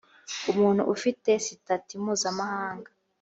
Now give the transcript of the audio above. umuntu ufite sitati mpuzamahanga